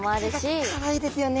お口がかわいいですよね。